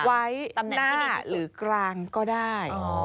ไว้หน้าหรือกลางก็ได้